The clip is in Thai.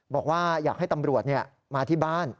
บอกว่าอยากให้ตำรวจมาที่บ้าน